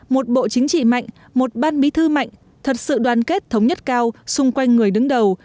một bộ chính trị mạnh một ban bí thư mạnh thật sự đoàn kết thống nhất cao xung quanh người đứng đầu